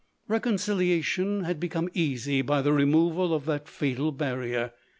Reconciliation had become easy by the removal of that fatal barrier.